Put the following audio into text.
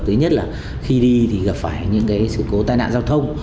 thứ nhất là khi đi thì gặp phải những sự cố tai nạn giao thông